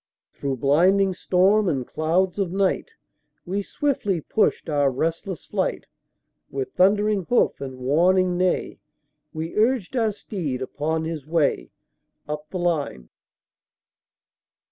Through blinding storm and clouds of night, We swiftly pushed our restless flight; With thundering hoof and warning neigh, We urged our steed upon his way Up the line.